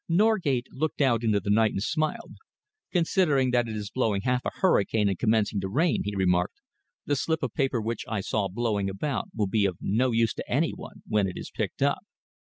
Norgate looked out into the night and smiled. "Considering that it is blowing half a hurricane and commencing to rain," he remarked, "the slip of paper which I saw blowing about will be of no use to any one when it is picked up."